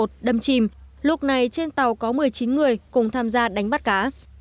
đâm chìm lúc này trên tàu có một mươi chín người cùng tham gia đánh bắt cá